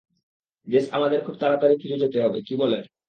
JS আমাদের খুব তাড়াতাড়ি ফিরে যেতে হবে কি বলেন?